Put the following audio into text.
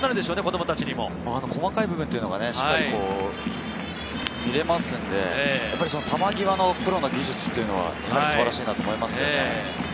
細かい部分というのがしっかり見れますんで、球際のプロの技術というのは素晴らしいなと思いますね。